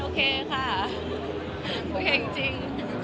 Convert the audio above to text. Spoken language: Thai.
ก็โอเคค่ะคุยเองจริง